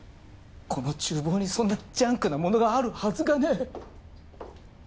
このちゅう房にそんなジャンクなものがあるはずがねえ。